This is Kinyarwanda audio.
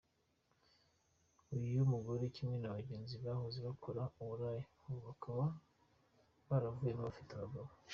Uyu mugore kimwe na bagenzi bahoze bakora uburaya ubu bakaba baravuyemo bafite bagabo.